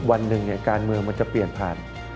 วันหนึ่งการเมืองมันจะเปลี่ยนผ่าน